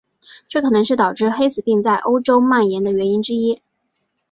这可能是导致黑死病在欧洲蔓延的原因之一。